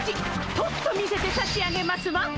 とくと見せてさしあげますわ！